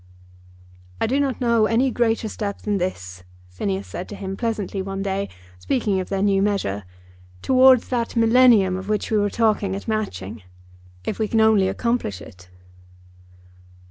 "I do not know any greater step than this," Phineas said to him pleasantly one day, speaking of their new measure, "towards that millennium of which we were talking at Matching, if we can only accomplish it."